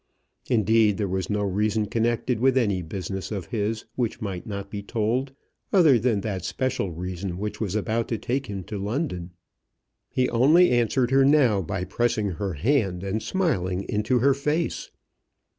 Indeed there was no reason connected with any business of his which might not be told, other than that special reason which was about to take him to London. He only answered her now by pressing her hand and smiling into her face.